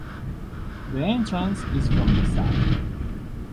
The entrance is from the south.